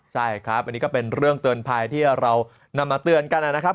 ใช่ครับอันนี้ก็เป็นเรื่องเตือนภัยที่เรานำมาเตือนกันนะครับ